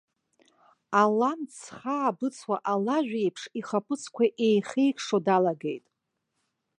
Аламҵ зхаабыцуа алажә еиԥш ихаԥыцқәа еихеикшо далагеит.